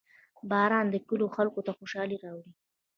• باران د کلیو خلکو ته خوشحالي راوړي.